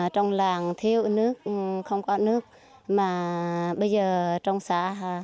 trong làng thiếu nước không có nước mà bây giờ trong xã